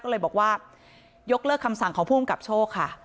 ก็เลยบอกว่ายกเลิกคำสั่งของผู้กำกับโชคค่ะ